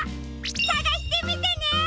さがしてみてね！